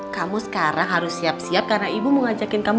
kamu sekarang harus siap siap karena ibu mau ngajakin kamu